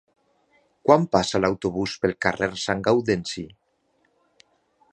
Quan passa l'autobús pel carrer Sant Gaudenci?